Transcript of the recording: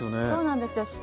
そうなんですよ。